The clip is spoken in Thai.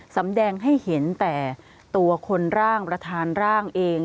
แสดงให้เห็นแต่ตัวคนร่างประธานร่างเอง